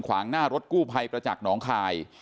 ขวางหน้ารถกู้ภัยประจักษ์หนองคาย